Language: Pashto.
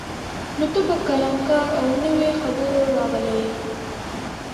نو ته به کلنکار او نوی پر خبرو راغلی یې.